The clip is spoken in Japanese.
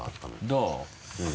どう？